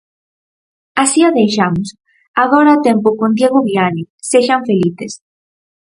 Así o deixamos, agora o tempo con Diego Viaño, sexan felices.